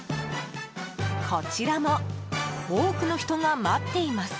こちらも多くの人が待っています。